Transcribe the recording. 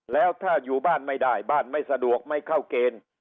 แล้วถ้าอยู่บ้านไม่ได้บ้านไม่สะดวกไม่เข้าเกณฑ์